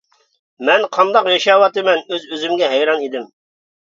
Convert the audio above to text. مەن قانداق ياشاۋاتىمەن؟ ئۆز-ئۆزۈمگە ھەيران ئىدىم.